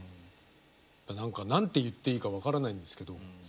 だから何か何て言っていいか分からないんですけど。